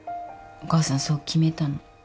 お母さんそう決めたの。